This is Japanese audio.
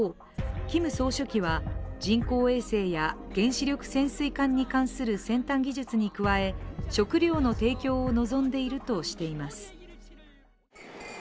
キム総書記は、人工衛星や原子力潜水艦に関する先端技術に加え食料の提供を望んでいるとしています。